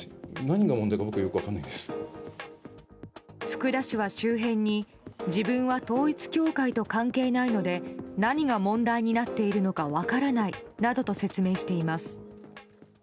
福田氏は周辺に自分は統一教会と関係ないので何が問題になっているのか分からないなどと説明しています。